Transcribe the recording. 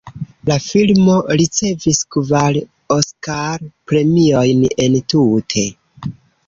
La filmo ricevis kvar Oskar-premiojn entute.